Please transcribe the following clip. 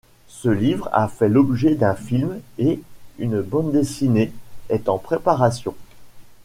Ce livre a fait l’objet d’un film et une bande dessinée est en préparation.